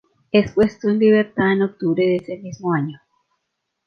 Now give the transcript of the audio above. Es puesto en libertad en octubre de ese mismo año.